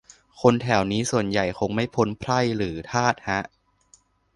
คนแถวนี้ส่วนใหญ่คงไม่พ้นไพร่หรือทาสฮะ